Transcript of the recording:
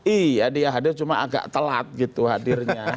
iya dia hadir cuma agak telat gitu hadirnya